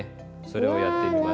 それをやってみましょう。